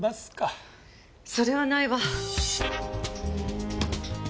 それはないわ。